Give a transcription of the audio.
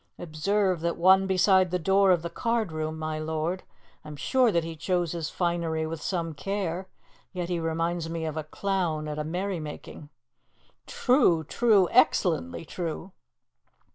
Observe that one beside the door of the card room, my lord. I am sure that he chose his finery with some care, yet he reminds me of a clown at a merrymaking." "True, true excellently true!"